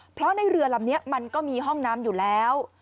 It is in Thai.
เพราะในเรือลำนี้มันก็มีห้องน้ำอยู่แล้ว